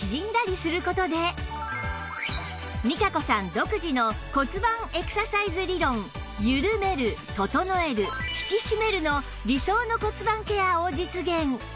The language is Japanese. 独自の骨盤エクササイズ理論「ゆるめる」「整える」「引き締める」の理想の骨盤ケアを実現